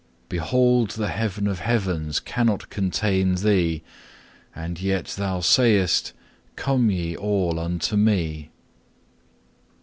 Behold the heaven of heavens cannot contain Thee, and yet Thou sayest, Come ye all unto Me.